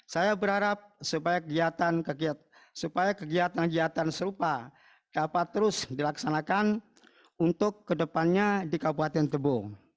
saya berharap supaya kegiatan kegiatan serupa dapat terus dilaksanakan untuk kedepannya di kabupaten tebo